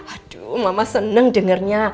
aduh mama seneng dengernya